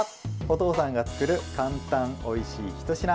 お父さんが作る簡単おいしいひと品。